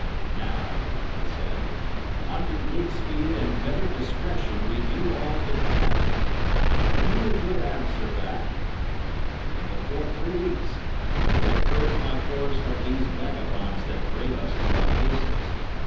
"Now," he said, "upon your good speed and better discretion we do all depend. Bring me a good answer back, and before three weeks, I will have purged my forest of these vagabonds that brave us to our faces.